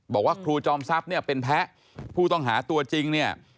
บอกว่าครูจอมทรัพย์เนี่ยเป็นแพ้ผู้ต้องหาตัวจริงเนี่ย